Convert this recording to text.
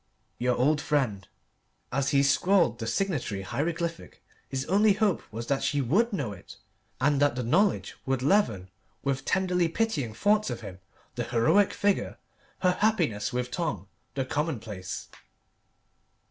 "Your old friend." As he scrawled the signatory hieroglyphic, his only hope was that she would know it, and that the knowledge would leaven, with tenderly pitying thoughts of him, the heroic figure, her happiness with Tom, the commonplace.